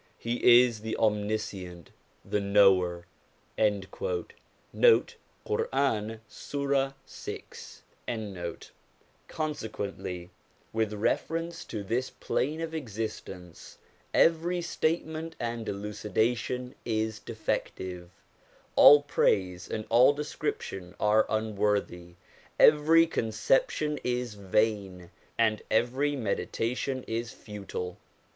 He is the Omniscient, the Knower.' l Consequently, with reference to this plane of exist ence, every statement and elucidation is defective, all praise and all description are unworthy, every concep tion is vain, and every meditation is futile.